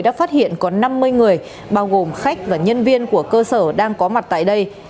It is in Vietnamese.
đã phát hiện có năm mươi người bao gồm khách và nhân viên của cơ sở đang có mặt tại đây